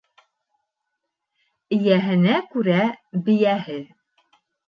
Эйәһенә күрә бейәһе